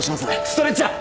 ストレッチャー！